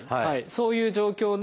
そういう状況で。